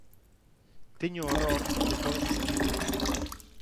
Teño horror de todos os oficios.